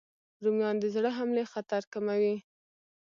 رومیان د زړه حملې خطر کموي